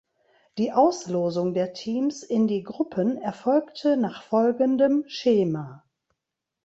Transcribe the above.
Die Auslosung der Teams in die Gruppen erfolgte nach folgendem Schema.